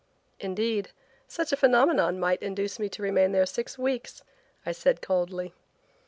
"Indeed, such a phenomenon might induce me to remain there six weeks," I said coldly.